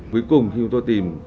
cuối cùng chúng tôi tìm